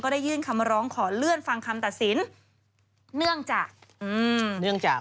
ได้ยื่นคำร้องขอเลื่อนฟังคำตัดสินเนื่องจากอืมเนื่องจาก